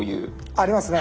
ありますね。